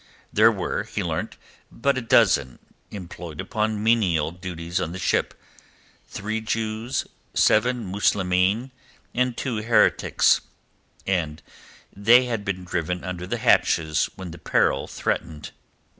There were, he learnt, but a dozen, employed upon menial duties on the ship—three Jews, seven Muslimeen and two heretics—and they had been driven under the hatches when the peril threatened.